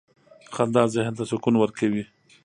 • خندا ذهن ته سکون ورکوي.